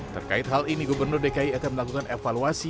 terkait hal ini gubernur dki akan melakukan evaluasi